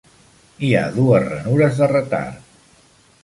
Hi ha dues ranures de retard.